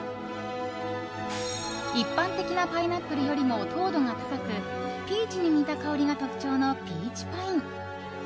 一般的なパイナップルよりも糖度が高くピーチに似た香りが特徴のピーチパイン。